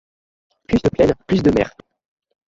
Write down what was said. Plus de plaines, plus de mers.